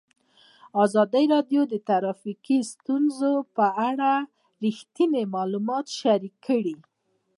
ازادي راډیو د ټرافیکي ستونزې په اړه رښتیني معلومات شریک کړي.